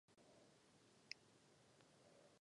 Zde neexistují žádná jednoduchá řešení.